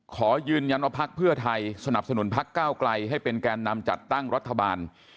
ขอยืนยำวันน้ำพักภักษณ์เพื่อไทยสนับสนุนภักษ์ก้าวกลายให้เป็นแกยนนำจัดตั้งรัฐบาล